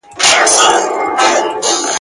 د سړک په پای کي ..